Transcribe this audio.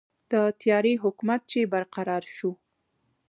د تیارې حکومت چې برقراره شو.